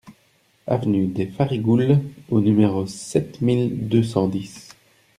Avenue des Farigoules au numéro sept mille deux cent dix